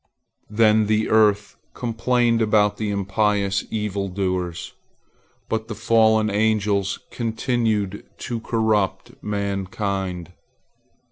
Then the earth complained about the impious evil doers. But the fallen angels continued to corrupt mankind.